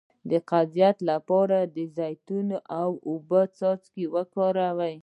د قبضیت لپاره د زیتون او اوبو څاڅکي وکاروئ